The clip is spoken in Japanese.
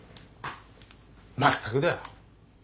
まったくだ。